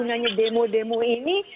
gurannya demo demo ini